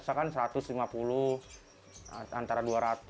saya kan satu ratus lima puluh antara dua ratus satu ratus lima puluh satu ratus lima puluh